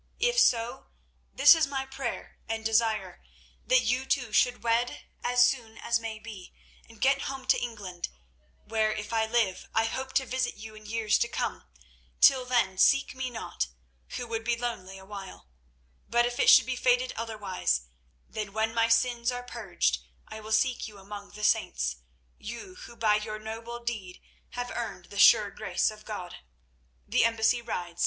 If so, this is my prayer and desire—that you two should wed as soon as may be, and get home to England, where, if I live, I hope to visit you in years to come. Till then seek me not, who would be lonely a while. But if it should be fated otherwise, then when my sins are purged I will seek you among the saints, you who by your noble deed have earned the sure grace of God. "The embassy rides.